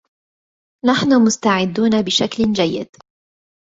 نحن مستعدون بشكل جيد